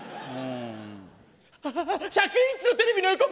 １００インチのテレビの横！